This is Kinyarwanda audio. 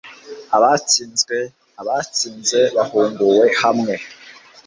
abatsinzwe, abatsinze bahuguwe hamwe